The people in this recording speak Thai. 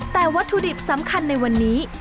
แต่วัตถุดิบสำคัญในวันนี้